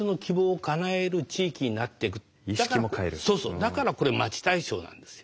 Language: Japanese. だからこれまち大賞なんですよ。